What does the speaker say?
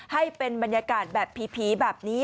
ให้เป็นบรรยากาศแบบผีแบบนี้